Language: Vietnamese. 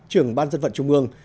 trường ban dân vận trung ương